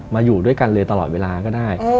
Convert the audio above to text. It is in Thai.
อยู่ด้วยกันเลยตลอดเวลาก็ได้